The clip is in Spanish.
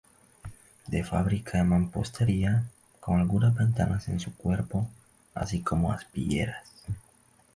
De fábrica de mampostería, con algunas ventanas en su cuerpo, así como aspilleras.